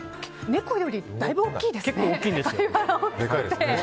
猫よりだいぶ大きいですね。